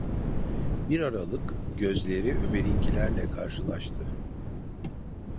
Bir aralık gözleri Ömer’inkilerle karşılaştı.